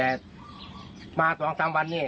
ก็เลยอยากให้หมอปลาเข้ามาช่วยหน่อยค่ะ